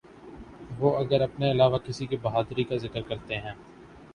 وہ اگر اپنے علاوہ کسی کی بہادری کا ذکر کرتے ہیں۔